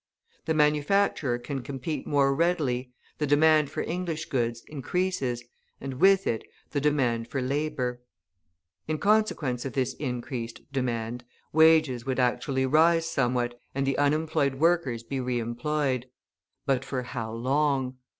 The manufacturer can compete more readily, the demand for English goods increases, and, with it, the demand for labour. In consequence of this increased demand wages would actually rise somewhat, and the unemployed workers be re employed; but for how long?